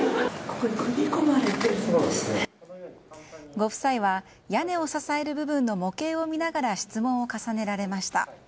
ご夫妻は、屋根を支える部分の模型を見ながら質問を重ねられました。